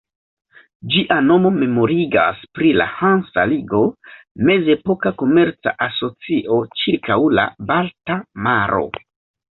Ĝia nomo memorigas pri la Hansa ligo, mezepoka komerca asocio ĉirkaŭ la Balta Maro.